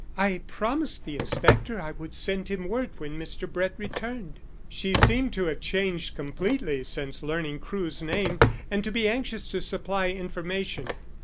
"I promised the inspector I would send him word when Mr. Brett returned." She seemed to have changed completely since learning Crewe's name, and to be anxious to supply information.